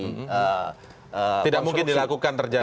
tidak mungkin dilakukan terjadi